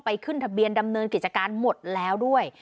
ขึ้นทะเบียนดำเนินกิจการหมดแล้วด้วย